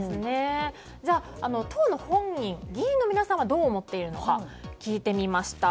じゃあ当の本人、議員の皆さんはどう思っているのか聞いてみました。